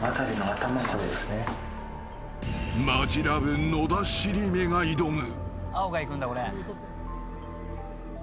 ［マヂラブ野田尻目が挑む］